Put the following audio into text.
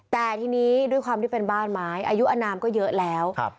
แต่ทีนี้ด้วยความที่เป็นบ้านไม้อายุอนามก็เยอะแล้ว